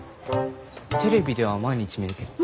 テレビでは毎日見るけど。